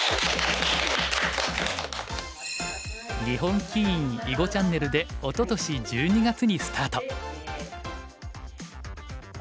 日本棋院囲碁チャンネルでおととし１２月にスタート。